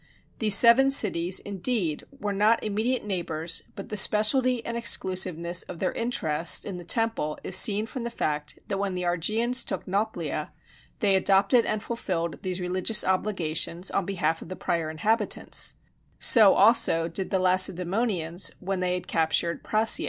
These seven cities indeed were not immediate neighbors, but the speciality and exclusiveness of their interest in the temple is seen from the fact that when the Argians took Nauplia, they adopted and fulfilled these religious obligations on behalf of the prior inhabitants: so also did the Lacedæmonians when they had captured Prasiæ.